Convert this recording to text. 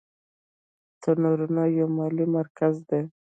تورنټو یو مالي مرکز دی.